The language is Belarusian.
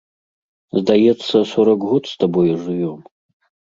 Здаецца, сорак год з табою жывём?